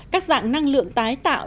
các dạng năng lượng tái tạo